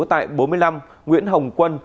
tại bốn mươi năm nguyễn hồng quân